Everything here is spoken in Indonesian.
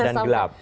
lembab dan gelap